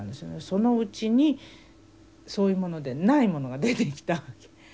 そのうちにそういうものでないものが出てきたわけ。